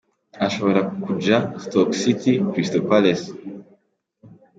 Ashobora kuja: Stoke City, Crystal Palace.